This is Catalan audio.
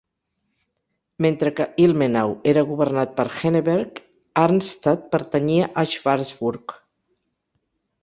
Mentre que Ilmenau era governat per Henneberg, Arnstadt pertanyia a Schwarzburg.